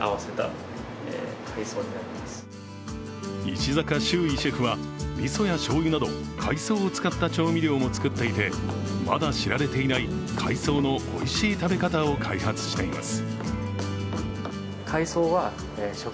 石坂秀威シェフはみそやしょうやなど海藻を使った調味料も作っていてまだ知られていない海藻のおいしい食べ方を開発しています。